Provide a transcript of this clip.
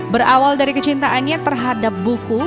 berawal dari kecintaannya terhadap buku